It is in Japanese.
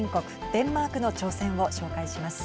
デンマークの挑戦を紹介します。